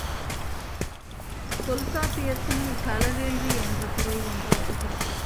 தொல்காப்பியத்தில் களவேள்வி என்ற துறை ஒன்று வருகிறது.